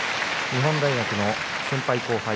日本大学の先輩、後輩。